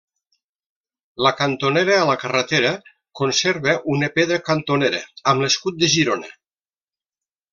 La cantonera a la carretera conserva una pedra cantonera amb l'escut de Girona.